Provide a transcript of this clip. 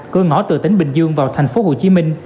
cưới ngõ tựa tỉnh bình dương vào tp hcm